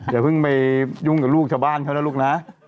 อย่าเพิ่งไปยุ่งกับลูกชาวบ้านเขานะลูกนะ